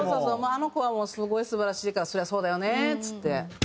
あの子はすごい素晴らしいからそりゃそうだよねっつって。